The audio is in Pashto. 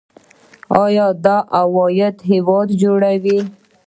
آیا دا عواید هیواد جوړوي؟